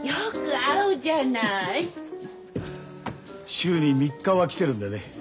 週に３日は来てるんでね。